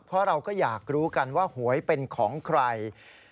เพราะเราก็อยากรู้กันว่าหวยเป็นของใคร